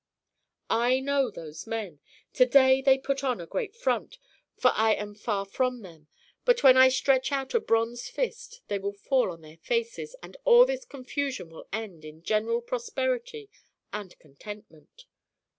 "I know those men! To day they put on a great front, for I am far from them. But when I stretch out a bronze fist they will fall on their faces, and all this confusion will end in general prosperity and contentment."